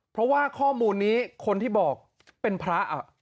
เพราะว่าข้อมูลนี้คนที่บอกเป็นพระ